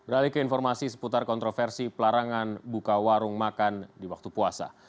beralih ke informasi seputar kontroversi pelarangan buka warung makan di waktu puasa